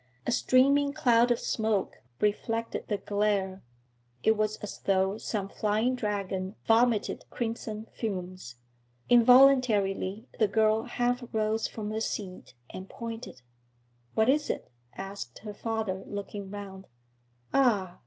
A streaming cloud of smoke reflected the glare; it was as though some flying dragon vomited crimson fumes. Involuntarily the girl half rose from her seat and pointed. 'What is it?' asked her father, looking round. 'Ah!